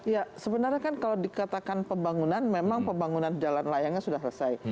ya sebenarnya kan kalau dikatakan pembangunan memang pembangunan jalan layangnya sudah selesai